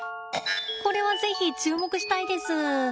これは是非注目したいです。